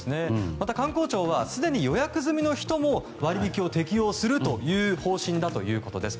また観光庁はすでに予約済みの人も割り引きを適用する方針だということです。